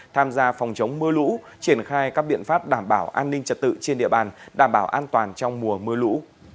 tham gia phòng chống mưa lũ triển khai các biện pháp đảm bảo an ninh trật tự trên địa bàn đảm bảo an toàn trong mùa mưa lũ